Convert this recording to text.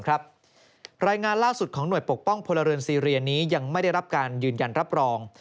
รายงานล่าสุดของหน่วยปกป้องพลเรือนซีเรียนี้ยังไม่ได้รับการยืนยันรับรอง